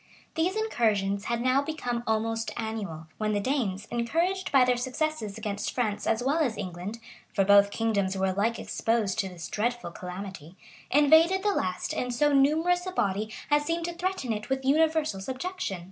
These incursions had now become almost annual; when the Danes, encouraged by their successes against France as well as England, (for both kingdoms were alike exposed to this dreadful calamity,) invaded the last in so numerous a body as seemed to threaten it with universal subjection.